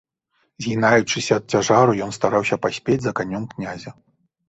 Згінаючыся ад цяжару, ён стараўся паспець за канём князя.